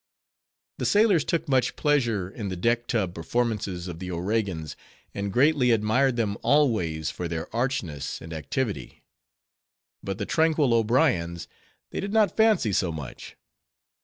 The sailors took much pleasure in the deck tub performances of the O'Regans, and greatly admired them always for their archness and activity; but the tranquil O'Briens they did not fancy so much.